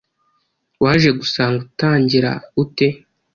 waje gusanga utangira ute